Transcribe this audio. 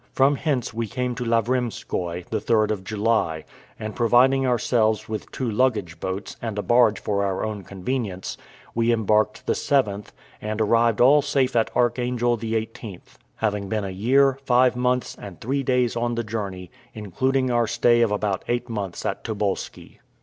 From hence we came to Lawremskoy, the 3rd of July; and providing ourselves with two luggage boats, and a barge for our own convenience, we embarked the 7th, and arrived all safe at Archangel the 18th; having been a year, five months, and three days on the journey, including our stay of about eight months at Tobolski.